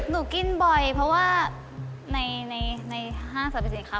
หนูกินบ่อยเพราะว่าในห้างสรรพสินค้า